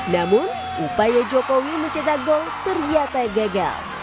namun upaya jokowi mencetak gol ternyata gagal